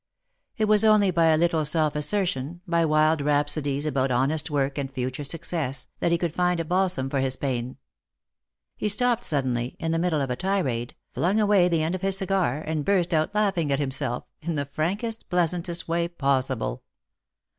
It was only by a little self assertion, by wild rhapsodies about honest work and future success, that he could find a balsam for his pain. He stopped suddenly, in the middle of a tirade, flung away the end of his cigar, and burst out laughing — at himself — in the frankest, pleasantest way possible.